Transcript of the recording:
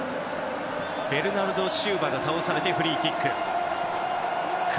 ベルナルド・シウバが倒されてフリーキック。